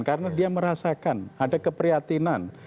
karena dia merasakan ada keprihatinan